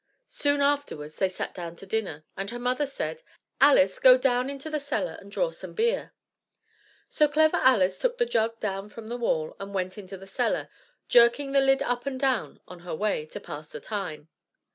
Soon afterwards they sat down to dinner, and her mother said, "Alice, go down into the cellar and draw some beer." So Clever Alice took the jug down from the wall, and went into the cellar, jerking the lid up and down on her way, to pass away the time.